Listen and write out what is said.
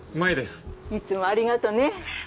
いつもありがとね。